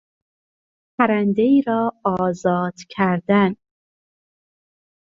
پرندهای را آزاد کردن